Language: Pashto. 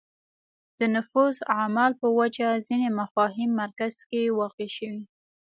د نفوذ اعمال په وجه ځینې مفاهیم مرکز کې واقع شوې